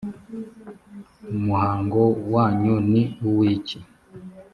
muhango wanyu ni uw iki